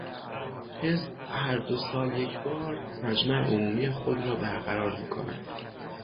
حزب هر دو سال یکبار مجمع عمومی خود را بر قرار میکند.